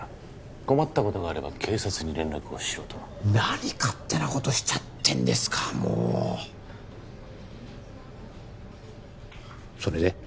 困ったことがあれば警察に連絡をしろと何勝手なことしちゃってんですかもうそれで？